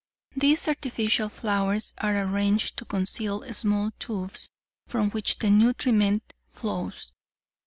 These artificial flowers are arranged to conceal small tubes from which the nutriment flows.